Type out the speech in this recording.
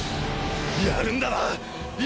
やるんだな⁉今！